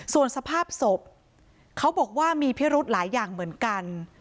ส่วนสภาพศพเขาบอกว่ามีพิรุธหลายอย่างเหมือนกัน